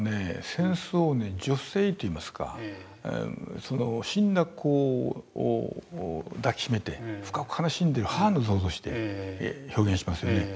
戦争を女性っていいますか死んだ子を抱きしめて深く悲しんでる母の像として表現しますよね。